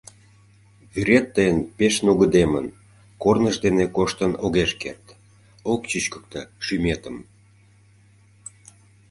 Вӱрет тыйын пеш нугыдемын, корныж дене коштын огеш керт, ок чӱчкыктӧ шӱметым.